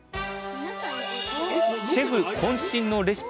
シェフこん身のレシピ。